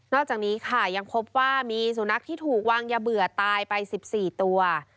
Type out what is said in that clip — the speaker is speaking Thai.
อกจากนี้ค่ะยังพบว่ามีสุนัขที่ถูกวางยาเบื่อตายไป๑๔ตัว